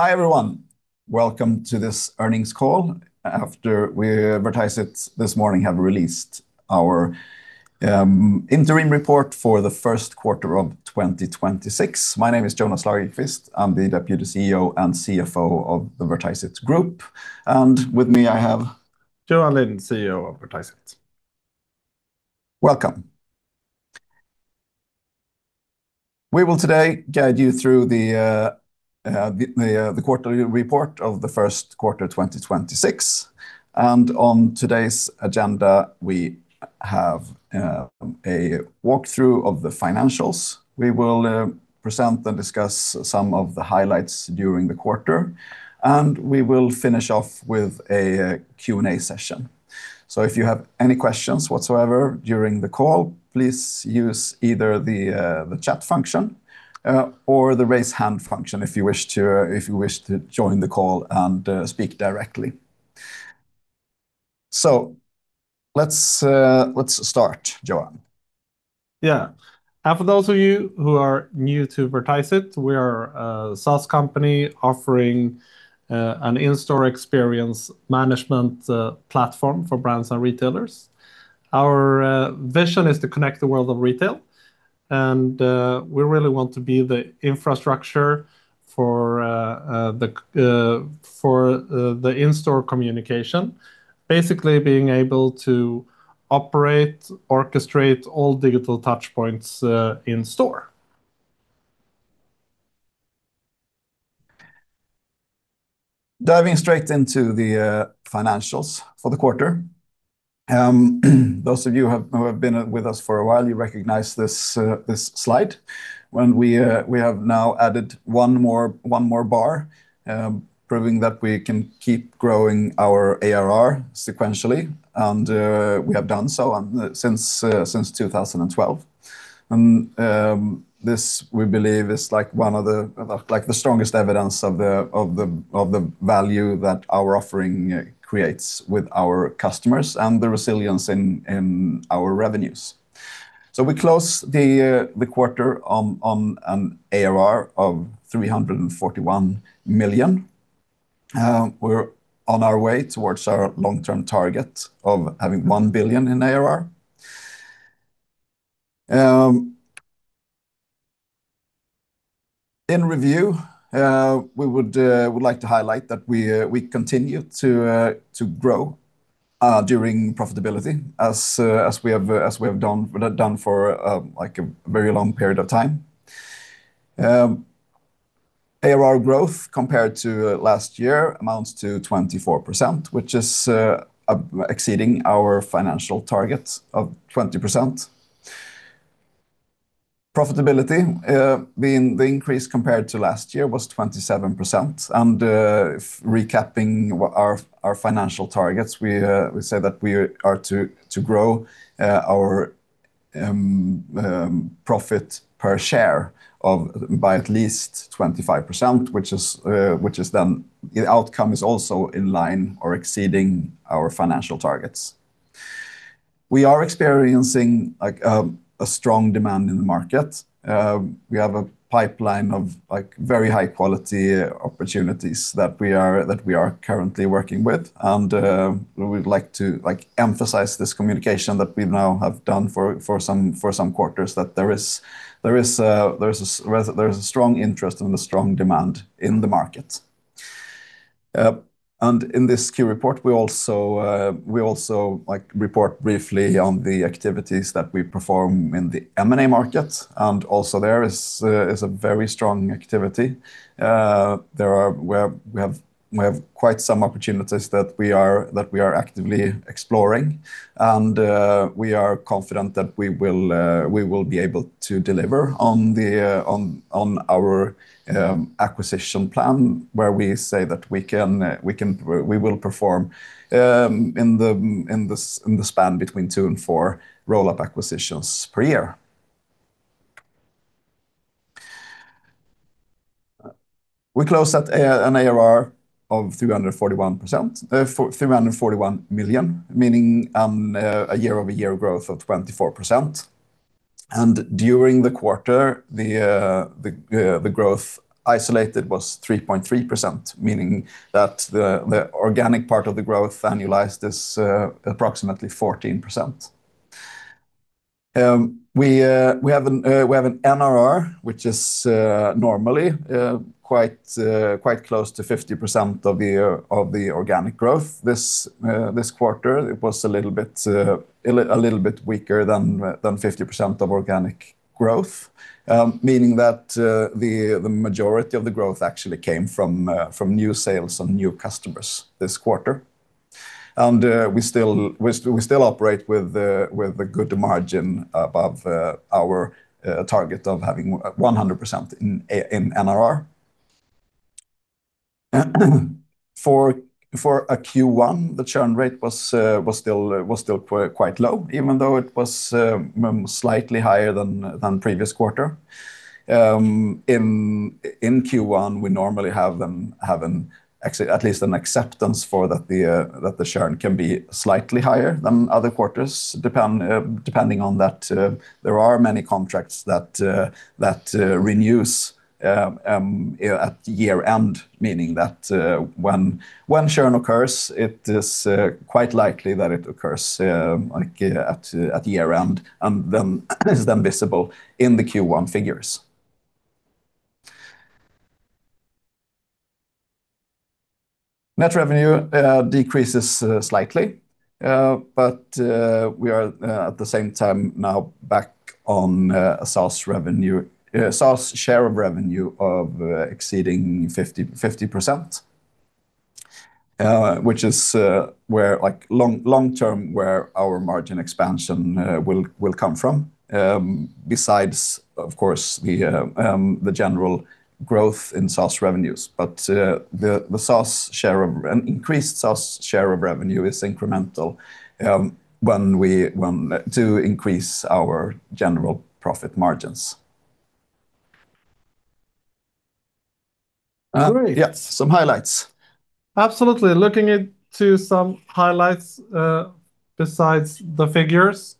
Hi, everyone. Welcome to this earnings call after Vertiseit this morning have released our interim report for the first quarter of 2026. My name is Jonas Lagerqvist. I'm the Deputy CEO and CFO of the Vertiseit Group. With me, I have- Johan Lind, CEO of Vertiseit Welcome. We will today guide you through the quarterly report of the first quarter 2026. On today's agenda, we have a walkthrough of the financials. We will present and discuss some of the highlights during the quarter, and we will finish off with a Q&A session. If you have any questions whatsoever during the call, please use either the chat function or the raise hand function if you wish to join the call and speak directly. Let's start, Johan. Yeah. For those of you who are new to Vertiseit, we are a SaaS company offering an in-store experience management platform for brands and retailers. Our vision is to connect the world of retail, and we really want to be the infrastructure for the in-store communication. Basically, being able to operate, orchestrate all digital touchpoints in store. Diving straight into the financials for the quarter. Those of you who have been with us for a while, you recognize this slide. We have now added one more bar, proving that we can keep growing our ARR sequentially. We have done so since 2012. This, we believe, is the strongest evidence of the value that our offering creates with our customers and the resilience in our revenues. We close the quarter on an ARR of 341 million. We're on our way towards our long-term target of having 1 billion in ARR. In review, we would like to highlight that we continue to grow driving profitability as we have done for a very long period of time. ARR growth compared to last year amounts to 24%, which is exceeding our financial targets of 20%. Profitability, the increase compared to last year was 27%. Recapping our financial targets, we say that we are to grow our profit per share by at least 25%, which is then the outcome is also in line or exceeding our financial targets. We are experiencing a strong demand in the market. We have a pipeline of very high-quality opportunities that we are currently working with. We'd like to emphasize this communication that we now have done for some quarters, that there is a strong interest and a strong demand in the market. In this Q report, we also report briefly on the activities that we perform in the M&A market. Also there is a very strong activity. We have quite some opportunities that we are actively exploring. We are confident that we will be able to deliver on our acquisition plan, where we say that we will perform in the span between 2-4 roll-up acquisitions per year. We closed at an ARR of 341 million, meaning a year-over-year growth of 24%. During the quarter, the growth isolated was 3.3%, meaning that the organic part of the growth annualized is approximately 14%. We have an NRR, which is normally quite close to 50% of the organic growth. This quarter, it was a little bit weaker than 50% of organic growth, meaning that the majority of the growth actually came from new sales and new customers this quarter. We still operate with a good margin above our target of having 100% in NRR. For a Q1, the churn rate was still quite low, even though it was slightly higher than previous quarter. In Q1, we normally have at least an acceptance for that the churn can be slightly higher than other quarters, depending on that there are many contracts that renews at year-end, meaning that when churn occurs, it is quite likely that it occurs at year-end and is then visible in the Q1 figures. Net revenue decreases slightly. We are at the same time now back on SaaS share of revenue of exceeding 50%, which is long-term where our margin expansion will come from, besides, of course, the general growth in SaaS revenues. The increased SaaS share of revenue is incremental to increase our general profit margins. Great. Yes. Some highlights. Absolutely. Looking into some highlights besides the figures.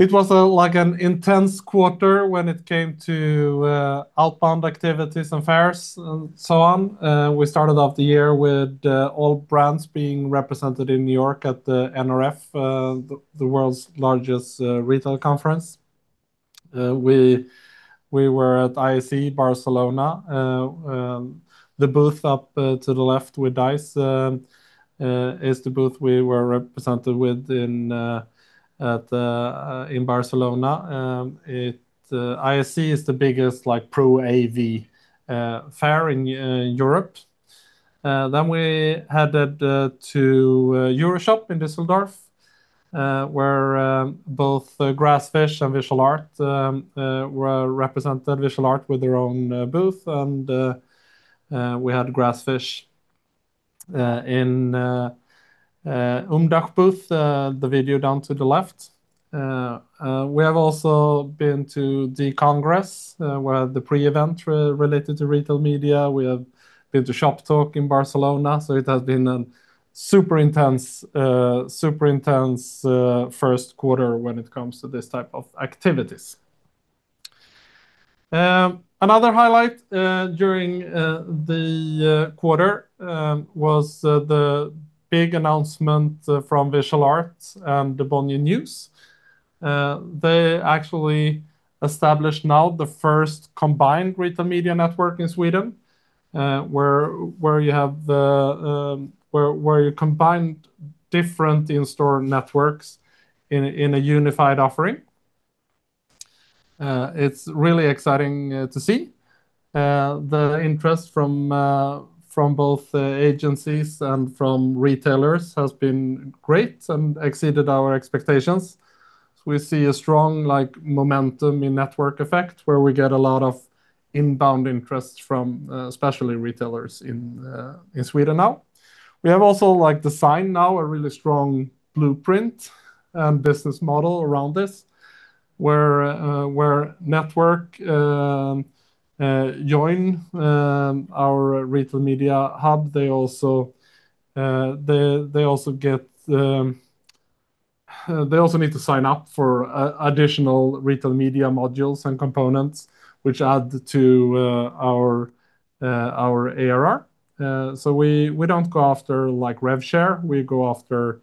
It was an intense quarter when it came to outbound activities and fairs and so on. We started off the year with all brands being represented in New York at the NRF, the world's largest retail conference. We were at ISE Barcelona. The booth up to the left with Dise is the booth we were represented with in Barcelona. ISE is the biggest pro AV fair in Europe. We headed to EuroShop in Düsseldorf, where both Grassfish and Visual Art were represented. Visual Art with their own booth, and we had Grassfish in Umdasch booth, the video down to the left. We have also been to D-Congress, where the pre-event related to retail media. We have been to Shoptalk in Barcelona. It has been a super intense first quarter when it comes to this type of activities. Another highlight during the quarter was the big announcement from Visual Art and Bonnier News. They actually established now the first combined retail media network in Sweden, where you combined different in-store networks in a unified offering. It's really exciting to see the interest from both agencies and from retailers has been great and exceeded our expectations. We see a strong momentum in network effect, where we get a lot of inbound interest from especially retailers in Sweden now. We have also designed now a really strong blueprint and business model around this, where network join our Retail Media Hub. They also need to sign up for additional Retail Media Modules and components which add to our ARR. We don't go after rev share, we go after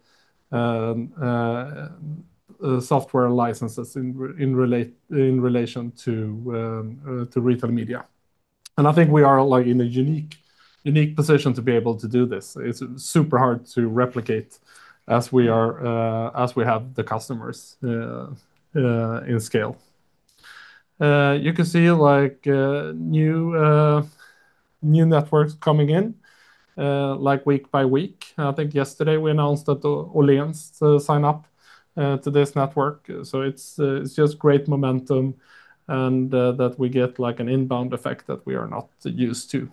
software licenses in relation to retail media. I think we are in a unique position to be able to do this. It's super hard to replicate as we have the customers in scale. You can see new networks coming in week by week. I think yesterday we announced that Åhléns sign up to this network. It's just great momentum and that we get an inbound effect that we are not used to.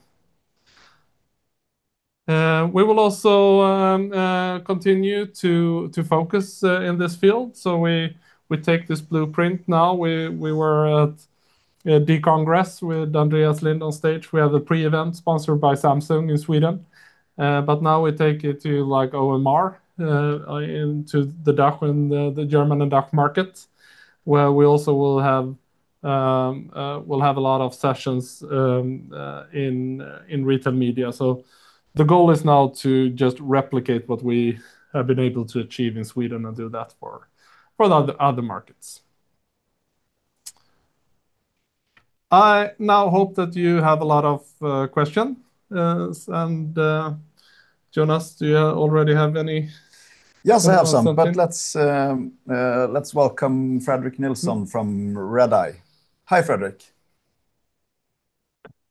We will also continue to focus in this field. We take this blueprint now. We were at D-Congress with Andreas Lind on stage. We had a pre-event sponsored by Samsung in Sweden. Now we take it to OMR, into the German and DACH markets, where we also will have a lot of sessions in retail media. The goal is now to just replicate what we have been able to achieve in Sweden and do that for the other markets. I now hope that you have a lot of questions. Jonas, do you already have any? Yes, I have some, but let's welcome Fredrik Nilsson from Redeye. Hi, Fredrik.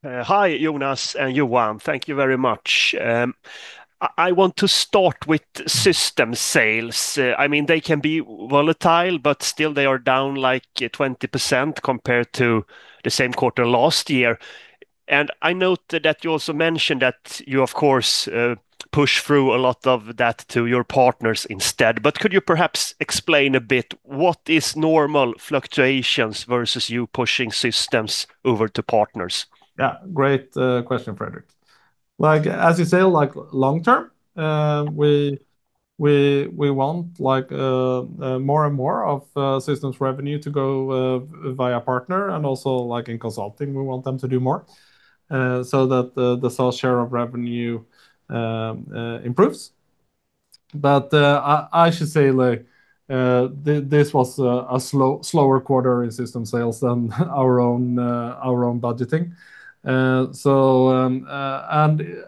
Hi, Jonas and Johan. Thank you very much. I want to start with system sales. They can be volatile, but still they are down 20% compared to the same quarter last year. I note that you also mentioned that you, of course, push through a lot of that to your partners instead. Could you perhaps explain a bit what is normal fluctuations versus you pushing systems over to partners? Yeah. Great question, Fredrik. As you say, long-term, we want more and more of systems revenue to go via partner. Also in consulting, we want them to do more so that the SaaS share of revenue improves. But I should say this was a slower quarter in system sales than our own budgeting.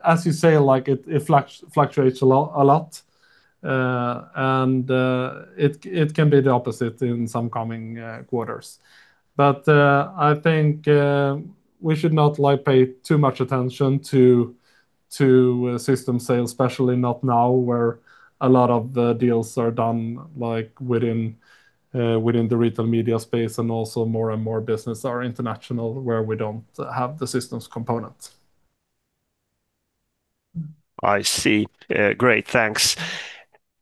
As you say, it fluctuates a lot, and it can be the opposite in some coming quarters. I think we should not pay too much attention to system sales, especially not now, where a lot of the deals are done within the retail media space, and also more and more business are international, where we don't have the systems component. I see. Great, thanks.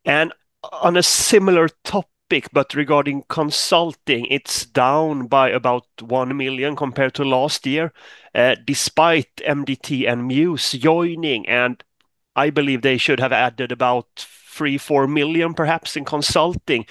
On a similar topic, but regarding consulting, it's down by about 1 million compared to last year, despite MDT and MuSe joining, and I believe they should have added about 3 million-4 million perhaps in consulting.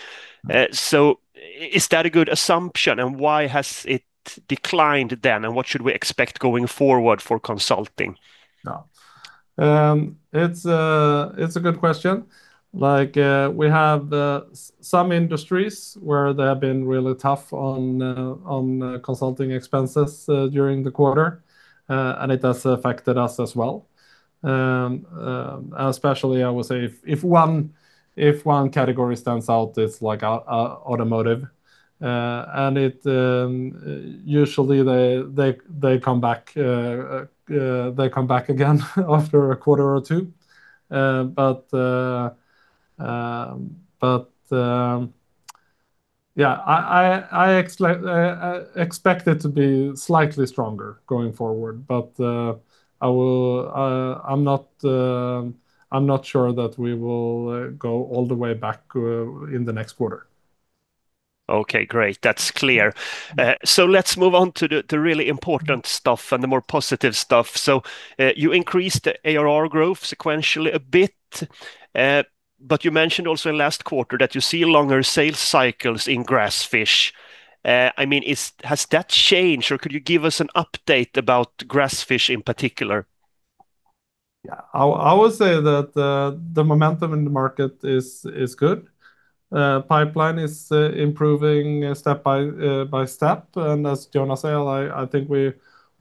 Is that a good assumption, and why has it declined then, and what should we expect going forward for consulting? Yeah. It's a good question. We have some industries where they have been really tough on consulting expenses during the quarter, and it has affected us as well. Especially, I would say if one category stands out, it's automotive. Usually they come back again after a quarter or two. Yeah, I expect it to be slightly stronger going forward, but I'm not sure that we will go all the way back in the next quarter. Okay, great. That's clear. Let's move on to the really important stuff and the more positive stuff. You increased ARR growth sequentially a bit, but you mentioned also in last quarter that you see longer sales cycles in Grassfish. Has that changed, or could you give us an update about Grassfish in particular? Yeah. I would say that the momentum in the market is good. Pipeline is improving step by step, and as Jonas said, I think we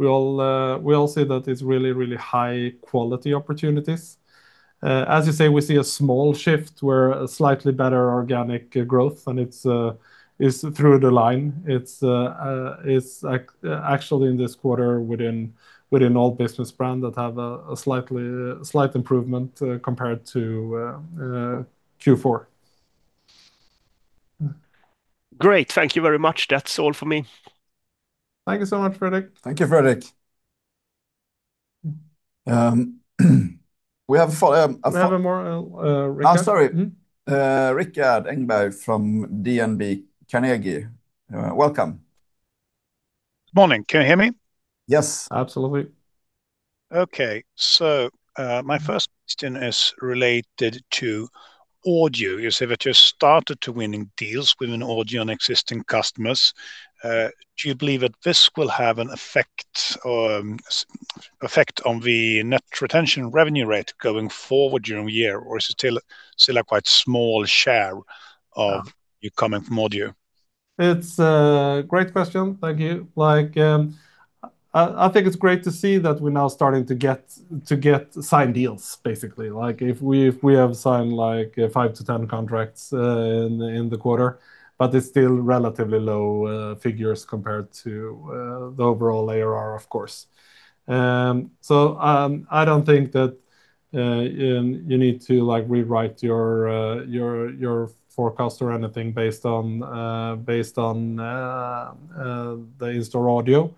all see that it's really, really high-quality opportunities. As you say, we see a small shift where a slightly better organic growth, and it's through the line. It's actually in this quarter within all business brand that have a slight improvement compared to Q4. Great. Thank you very much. That's all for me. Thank you so much, Fredrik. Thank you, Fredrik. We have more, Rikard. Oh, sorry. Rikard Engberg from DNB Carnegie. Welcome. Morning. Can you hear me? Yes. Absolutely. Okay. My first question is related to audio. You said that you started winning deals within audio on existing customers. Do you believe that this will have an effect on the net retention revenue rate going forward during the year, or is it still a quite small share of your revenue coming from audio? It's a great question. Thank you. I think it's great to see that we're now starting to get signed deals, basically. If we have signed 5-10 contracts in the quarter, but it's still relatively low figures compared to the overall ARR, of course. I don't think that you need to rewrite your forecast or anything based on the in-store audio.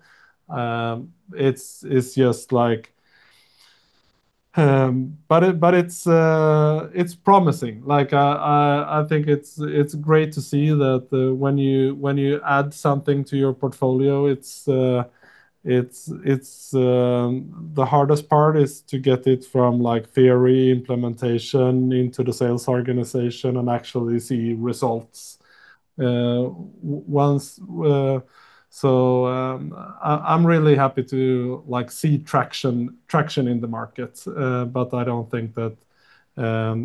It's promising. I think it's great to see that when you add something to your portfolio, the hardest part is to get it from theory to implementation into the sales organization and actually see results. I'm really happy to see traction in the market, but I don't think that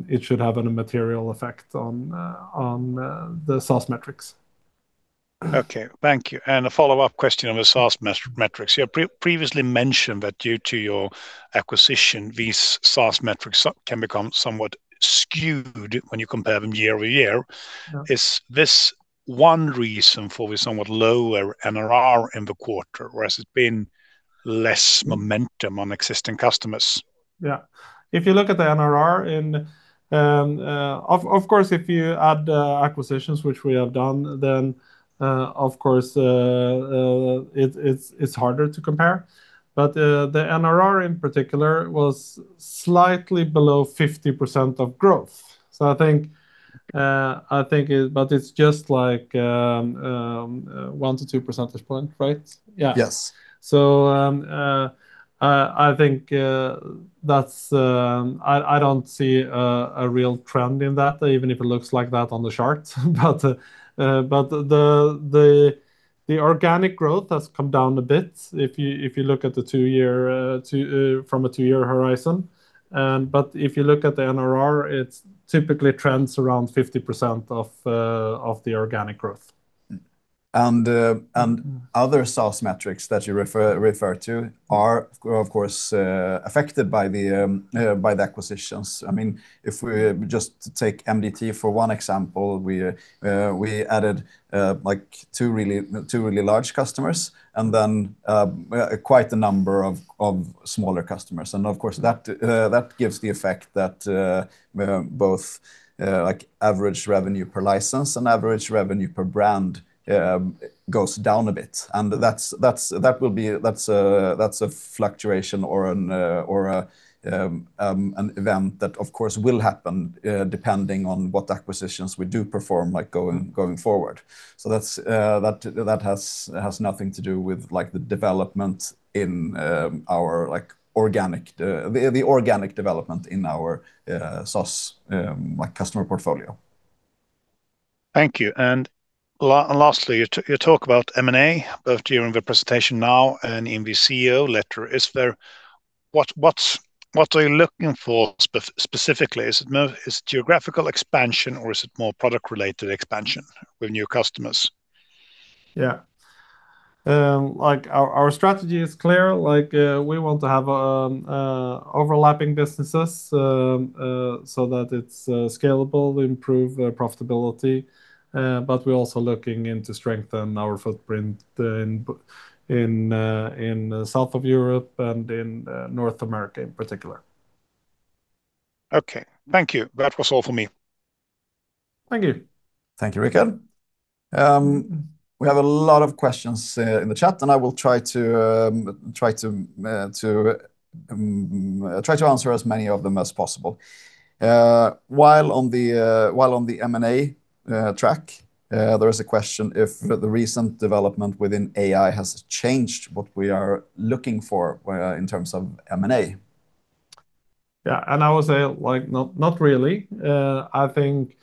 it should have any material effect on the SaaS metrics. Okay. Thank you. A follow-up question on the SaaS metrics. You previously mentioned that due to your acquisition, these SaaS metrics can become somewhat skewed when you compare them year-over-year. Yeah. Is this one reason for the somewhat lower NRR in the quarter, or has it been less momentum on existing customers? Yeah. If you look at the NRR, of course, if you add acquisitions, which we have done, then of course, it's harder to compare. The NRR in particular was slightly below 50% of growth. It's just 1-2 percentage points, right? Yes. I don't see a real trend in that, even if it looks like that on the chart. The organic growth has come down a bit from a two-year horizon. If you look at the NRR, it typically trends around 50% of the organic growth. Other SaaS metrics that you refer to are, of course, affected by the acquisitions. If we just take MDT for one example, we added two really large customers and then quite a number of smaller customers. Of course, that gives the effect that both average revenue per license and average revenue per brand goes down a bit. That's a fluctuation or an event that, of course, will happen, depending on what acquisitions we do perform going forward. That has nothing to do with the organic development in our SaaS customer portfolio. Thank you. Lastly, you talk about M&A, both during the presentation now and in the CEO letter. What are you looking for specifically? Is it geographical expansion or is it more product-related expansion with new customers? Yeah. Our strategy is clear. We want to have overlapping businesses so that it's scalable to improve profitability. We're also looking to strengthen our footprint in south of Europe and in North America in particular. Okay. Thank you. That was all for me. Thank you. Thank you, Rikard. We have a lot of questions in the chat, and I will try to answer as many of them as possible. While on the M&A track, there is a question if the recent development within AI has changed what we are looking for in terms of M&A. Yeah, I would say, not really. I think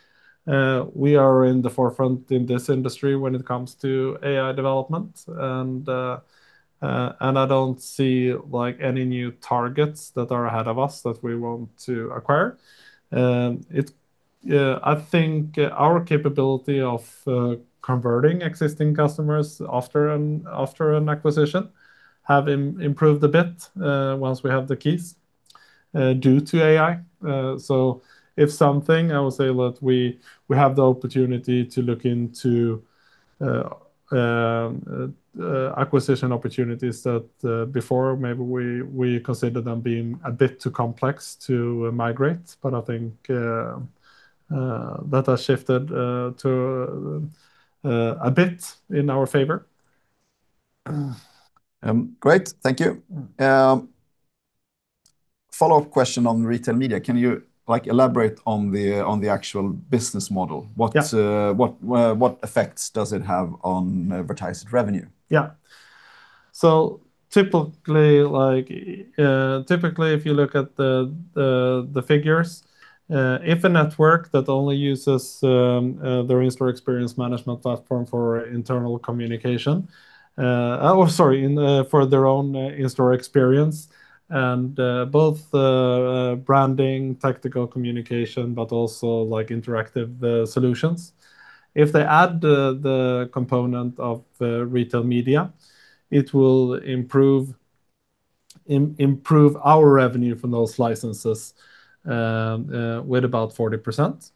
we are in the forefront in this industry when it comes to AI development, and I don't see any new targets that are ahead of us that we want to acquire. I think our capability of converting existing customers after an acquisition have improved a bit once we have the keys due to AI. If something, I would say that we have the opportunity to look into acquisition opportunities that before maybe we consider them being a bit too complex to migrate. I think that has shifted a bit in our favor. Great. Thank you. Follow-up question on retail media. Can you elaborate on the actual business model? Yeah. What effects does it have on advertising revenue? Yeah. Typically, if you look at the figures, if a network that only uses their in-store experience management platform for their own in-store experience, and both branding, tactical communication, but also interactive solutions. If they add the component of the retail media, it will improve our revenue from those licenses with about 40%.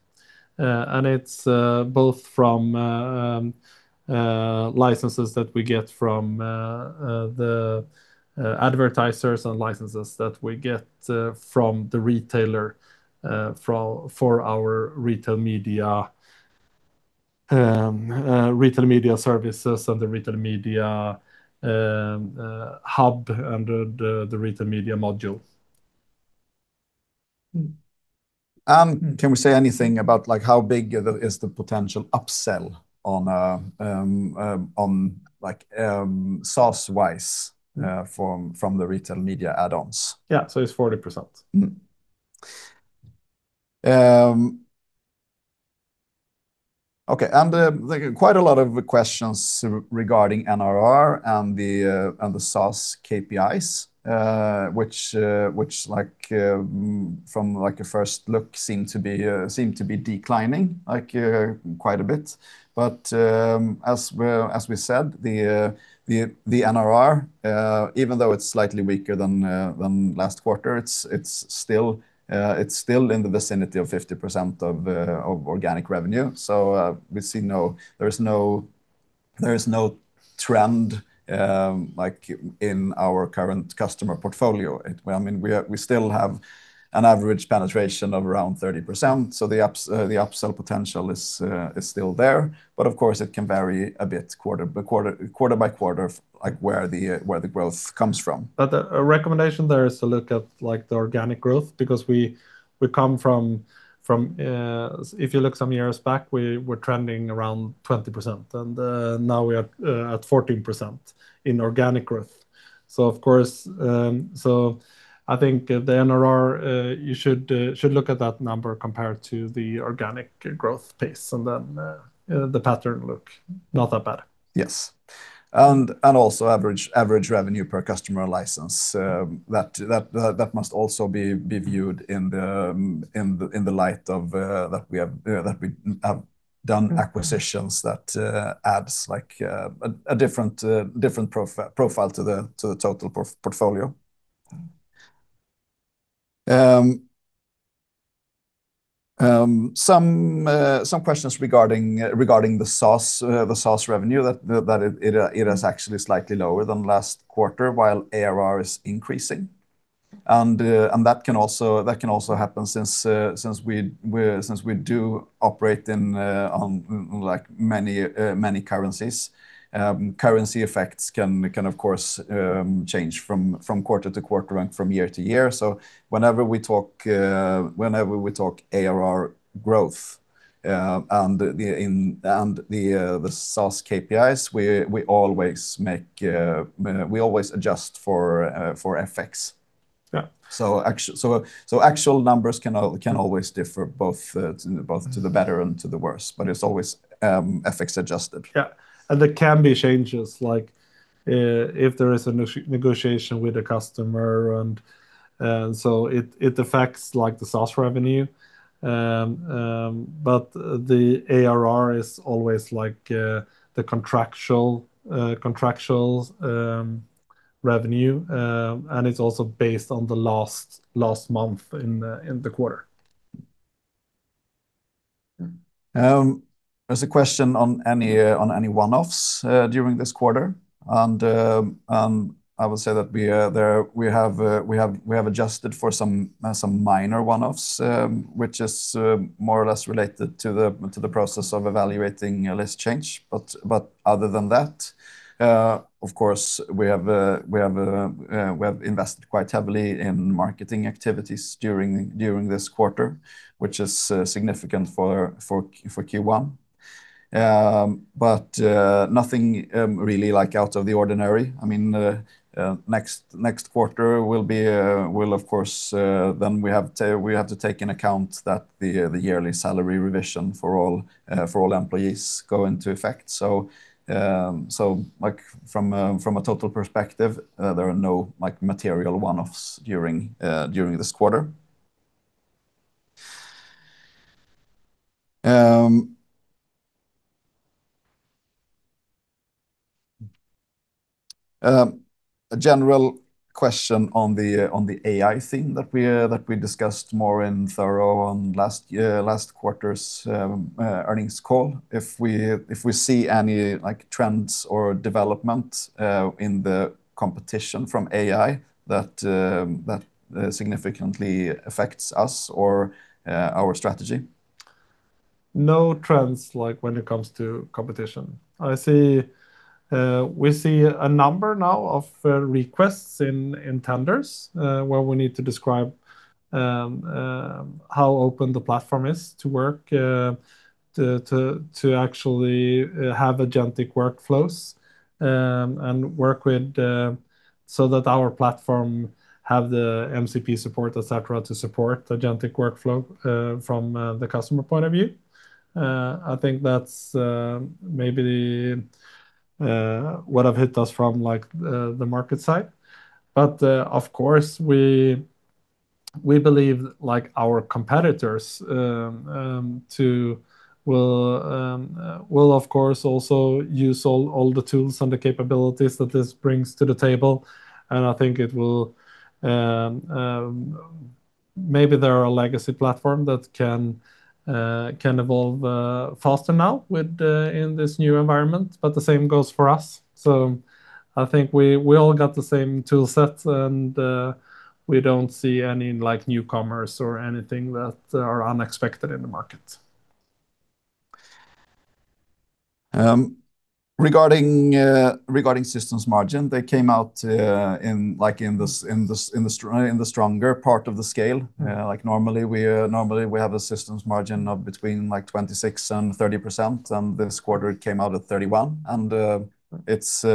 It's both from licenses that we get from the advertisers and licenses that we get from the retailer for our retail media services and the Retail Media Hub and the Retail Media Module. Can we say anything about how big is the potential upsell SaaS-wise from the retail media add-ons? It's 40%. Okay. Quite a lot of questions regarding NRR and the SaaS KPIs, which from a first look seem to be declining quite a bit. As we said, the NRR, even though it's slightly weaker than last quarter, it's still in the vicinity of 50% of organic revenue. We see there is no trend in our current customer portfolio. We still have an average penetration of around 30%, so the upsell potential is still there. Of course, it can vary a bit quarter by quarter where the growth comes from. A recommendation there is to look at the organic growth, because if you look some years back, we were trending around 20%, and now we are at 14% in organic growth. I think the NRR, you should look at that number compared to the organic growth pace, and then the pattern look not that bad. Yes. Also average revenue per customer license. That must also be viewed in the light of that we have done acquisitions that adds a different profile to the total portfolio. Some questions regarding the SaaS revenue, that it is actually slightly lower than last quarter, while ARR is increasing. That can also happen since we do operate on many currencies. Currency effects can, of course, change from quarter to quarter and from year to year. Whenever we talk ARR growth and the SaaS KPIs, we always adjust for FX. Yeah. Actual numbers can always differ both to the better and to the worse, but it's always FX adjusted. Yeah. There can be changes, like if there is a negotiation with a customer, and so it affects the SaaS revenue. The ARR is always the contractual revenue, and it's also based on the last month in the quarter. There's a question on any one-offs during this quarter. I would say that we have adjusted for some minor one-offs, which is more or less related to the process of evaluating a list change. Other than that, of course, we have invested quite heavily in marketing activities during this quarter, which is significant for Q1. Nothing really out of the ordinary. Next quarter will, of course, then we have to take into account that the yearly salary revision for all employees go into effect. From a total perspective, there are no material one-offs during this quarter. A general question on the AI theme that we discussed more thoroughly on last quarter's earnings call, if we see any trends or development in the competition from AI that significantly affects us or our strategy. No trends when it comes to competition. We see a number now of requests in tenders, where we need to describe how open the platform is to work to actually have agentic workflows, and work with so that our platform have the MCP support, et cetera, to support agentic workflow from the customer point of view. I think that's maybe what have hit us from the market side. Of course, we believe our competitors will, of course, also use all the tools and the capabilities that this brings to the table, and I think it will, maybe there are a legacy platform that can evolve faster now in this new environment, but the same goes for us. I think we all got the same tool set, and we don't see any newcomers or anything that are unexpected in the market. Regarding systems margin, they came out in the stronger part of the scale. Normally, we have a systems margin of between 26% and 30%, and this quarter it came out at 31%. It's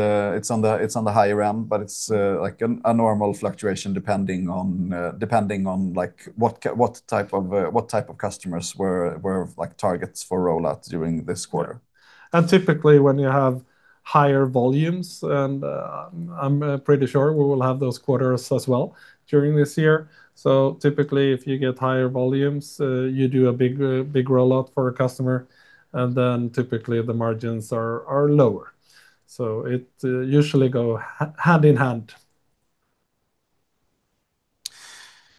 on the higher end, but it's a normal fluctuation depending on what type of customers were targets for rollout during this quarter. Typically, when you have higher volumes, and I'm pretty sure we will have those quarters as well during this year. Typically, if you get higher volumes, you do a big rollout for a customer, and then typically the margins are lower. It usually go hand in hand.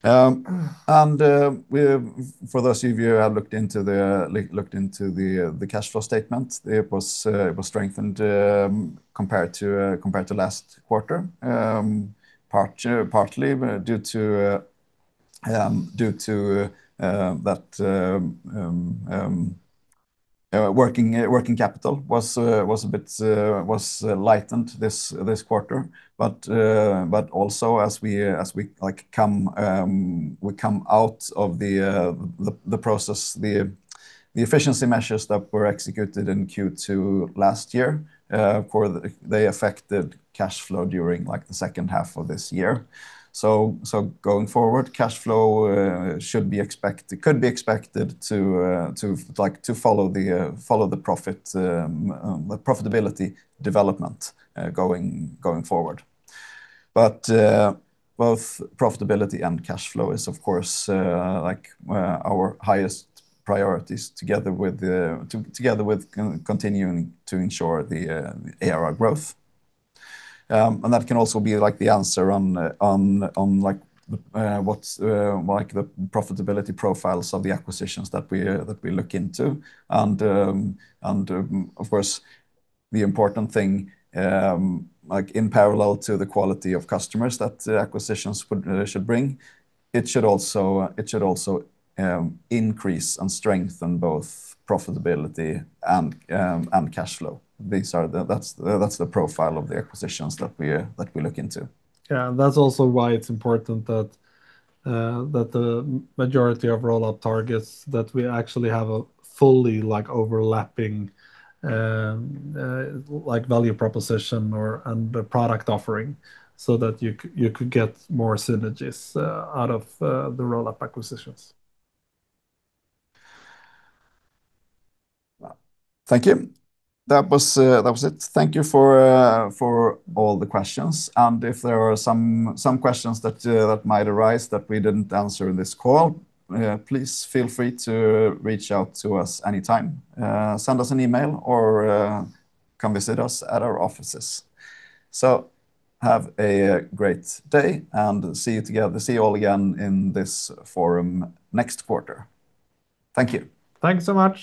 For those of you who have looked into the cash flow statement, it was strengthened compared to last quarter. Partly due to that working capital was lightened this quarter. Also as we come out of the process, the efficiency measures that were executed in Q2 last year, they affected cash flow during the second half of this year. Going forward, cash flow could be expected to follow the profitability development going forward. Both profitability and cash flow is, of course, our highest priorities together with continuing to ensure the ARR growth. That can also be the answer on the profitability profiles of the acquisitions that we look into. Of course, the important thing, in parallel to the quality of customers that acquisitions should bring, it should also increase and strengthen both profitability and cash flow. That's the profile of the acquisitions that we look into. Yeah. That's also why it's important that the majority of rollout targets, that we actually have a fully overlapping value proposition and the product offering so that you could get more synergies out of the rollout acquisitions. Thank you. That was it. Thank you for all the questions. If there are some questions that might arise that we didn't answer in this call, please feel free to reach out to us anytime. Send us an email or come visit us at our offices. Have a great day, and see you all again in this forum next quarter. Thank you. Thanks so much.